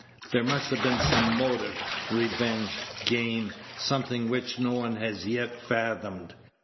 "There must have been some motive revenge, gain something which no one has yet fathomed."